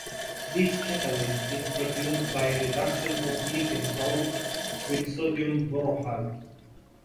This catalyst is produced by reduction of nickel salts with sodium borohydride.